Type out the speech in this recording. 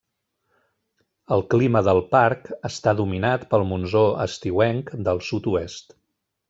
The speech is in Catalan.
El clima del parc està dominat pel monsó estiuenc del sud-oest.